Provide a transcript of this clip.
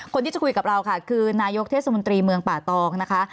คนที่จะคุยกับเราค่ะคือนายกเทศมนตรีเมืองป่าตองนะคะ